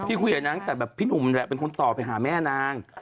คุยกับนางตั้งแต่แบบพี่หนุ่มแหละเป็นคนต่อไปหาแม่นาง